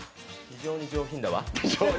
非常に上品だわ。